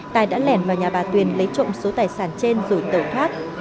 tài đã lẻn vào nhà bà tuyền lấy trộm số tài sản trên rồi tẩu thoát